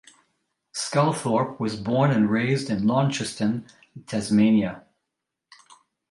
Sculthorpe was born and raised in Launceston, Tasmania.